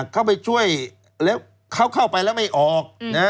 เข้าไปช่วยแล้วเขาเข้าไปแล้วไม่ออก